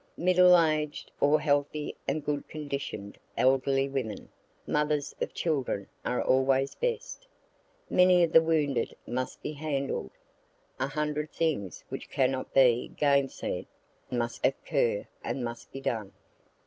Middle aged or healthy and good condition'd elderly women, mothers of children, are always best. Many of the wounded must be handled. A hundred things which cannot be gainsay'd, must occur and must be done.